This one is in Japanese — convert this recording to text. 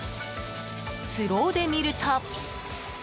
スローで見ると。